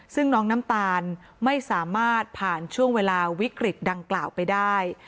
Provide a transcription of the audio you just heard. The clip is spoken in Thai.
ซึ่งน้องน้ำตาลไม่สามารถผ่านช่วงเวลาวิกฤตดังกล่าวไปได้